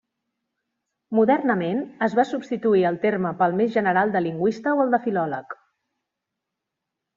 Modernament es va substituir el terme pel més general de lingüista o el de filòleg.